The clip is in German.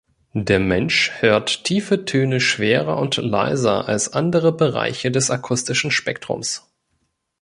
Der Mensch hört tiefe Töne schwerer und leiser als andere Bereiche des akustischen Spektrums.